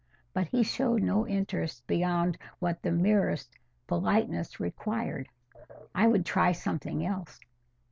But he showed no interest beyond what the merest politeness required. I would try something else.